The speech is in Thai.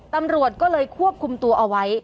ตำรวจก็เลยควบคุมตัวเอาไว้